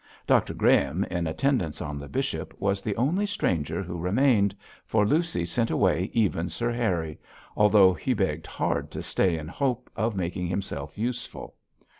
Dr Graham in attendance on the bishop was the only stranger who remained, for Lucy sent away even Sir Harry, although he begged hard to stay in the hope of making himself useful.